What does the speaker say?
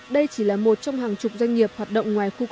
đây chỉ là một trong hàng chục doanh nghiệp hoạt động ngoài khu công ty